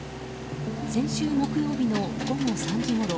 先週木曜日の午後３時ごろ